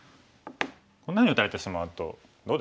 こんなふうに打たれてしまうとどうですかね。